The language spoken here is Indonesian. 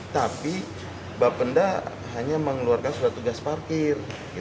tapi bapenda hanya mengeluarkan surat tugas parkir